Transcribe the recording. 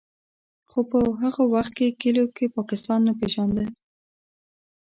خو په هغه وخت کې کلیو کې پاکستان نه پېژانده.